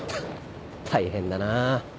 大変だなあ。